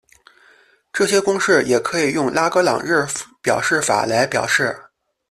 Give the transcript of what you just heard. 这些公式也可以用拉格朗日表示法来表示。